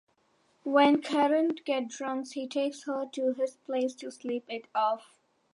When Karin gets drunk, he takes her to his place to sleep it off.